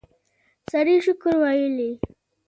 سړی شکر ویلی.